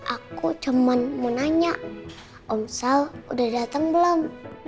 aku cuma mau nanya om sal udah datang belum